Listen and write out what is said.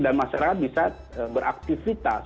dan masyarakat bisa beraktivitas